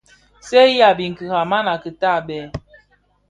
Sèghi a biňkira, mana kitabè.